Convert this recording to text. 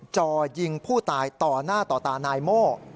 จ่อยิงผู้ตายต่อหน้าต่อตานายโม่